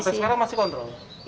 sampai sekarang masih kontrol